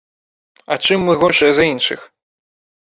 А чым мы горшыя за іншых?